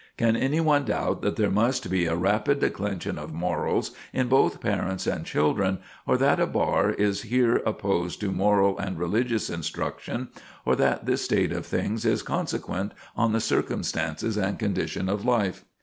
Can any one doubt that there must be a rapid declension of morals in both parents and children, or that a bar is here opposed to moral and religious instruction, or that this state of things is consequent on the circumstances and condition of life?"